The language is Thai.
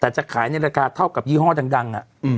แต่จะขายในราคาเท่ากับยี่ห้อดัง